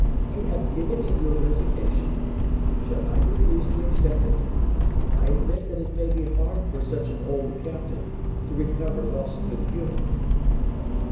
"You have given in your resignation; shall I refuse to accept it? I admit that it may be hard for such an old captain to recover lost good humor."